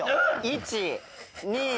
１・２。